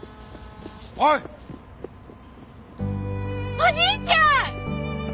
おじいちゃん！